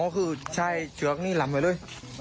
อ๋อคือใช่เฉือกนี่หลำไปด้วย